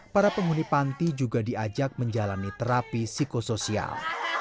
para penghuni panti juga diajak menjalani terapi psikosoial